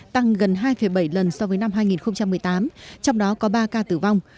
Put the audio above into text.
tăng gần hai bảy lần so với năm hai nghìn một mươi tám trong đó có ba ca tử vong